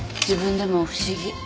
自分でも不思議。